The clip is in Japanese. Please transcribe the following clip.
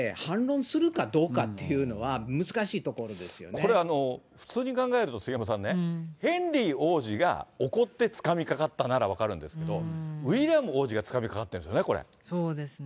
これ、普通に考えると、杉山さんね、ヘンリー王子が怒ってつかみかかったなら分かるんですけど、ウィリアム王子がつかみかかってるんですよね、そうですね。